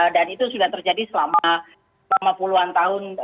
dan itu sudah terjadi selama puluhan tahun